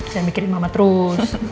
jangan mikirin mama terus